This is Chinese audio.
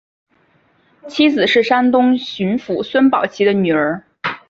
妻子是山东巡抚孙宝琦的女儿。